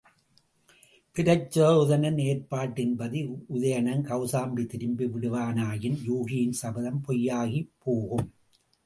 பிரச்சோதனன் ஏற்பாட்டின் படி உதயணன் கௌசாம்பி திரும்பி விடுவானாயின் யூகியின் சபதம் பொய்யாகிப் போகும்.